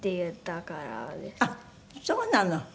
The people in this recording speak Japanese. あっそうなの？